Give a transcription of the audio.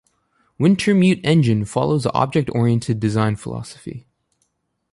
Wintermute Engine follows the object-oriented design philosophy.